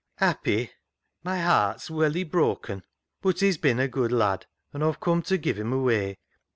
" Happy ! My heart's welly broken ; but he's bin a good lad, an' Aw've come to give him away."